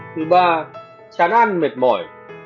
thứ ba chán ăn mệt mỏi